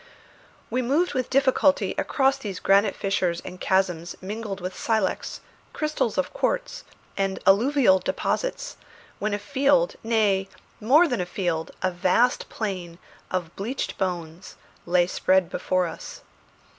We moved with difficulty across these granite fissures and chasms mingled with silex, crystals of quartz, and alluvial deposits, when a field, nay, more than a field, a vast plain, of bleached bones lay spread before us.